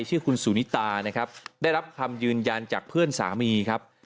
ชื่อคุณสุนิตานะครับได้รับคำยืนยันจากเพื่อนสามีครับ